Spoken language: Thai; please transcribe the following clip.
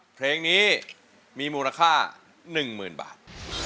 เพลงนี้มีมูลค่า๑๐๐๐บาท